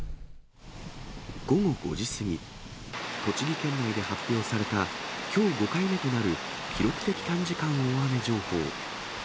午後５時過ぎ、栃木県内で発表されたきょう５回目となる記録的短時間大雨情報。